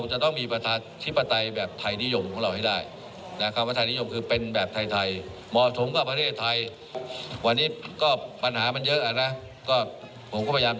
ร้องเพลงให้เด็กฟังเหรอฮะ